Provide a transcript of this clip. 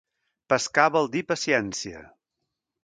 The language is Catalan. Pescar vol dir paciència.